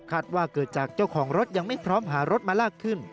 ว่าเกิดจากเจ้าของรถยังไม่พร้อมหารถมาลากขึ้น